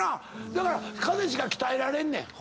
だからかねちが鍛えられんねん。